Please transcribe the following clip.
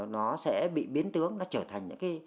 nó sẽ bị biến tướng nó trở thành những cái